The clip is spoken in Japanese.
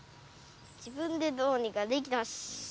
自分でどうにかできたし。